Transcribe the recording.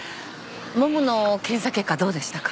モモの検査結果どうでしたか？